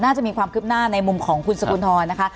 น่าจะมีความคลิบหน้าในมุมของคุณสกุณธรณ์นะคะ